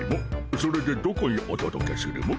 それでどこにおとどけするモ？